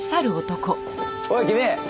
おい君！